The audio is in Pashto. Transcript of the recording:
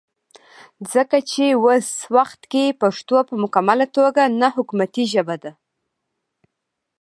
ځکه چې وس وخت کې پښتو پۀ مکمله توګه نه حکومتي ژبه ده